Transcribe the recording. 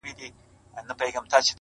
پرېولئ – په دې ترخو اوبو مو ځان مبارک~